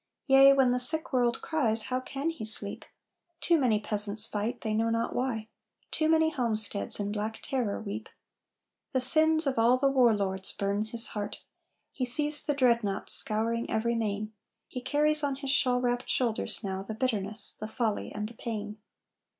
Yea, when the sick world cries, how can he sleep? Too many peasants fight, they know not why, Too many homesteads in black terror weep. The sins of all the war lords burn his heart. He sees the dreadnaughts scouring every main. He carries on his shawl wrapped shoulders now The bitterness, the folly and the pain.